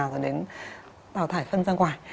rồi đến tạo thải phân ra ngoài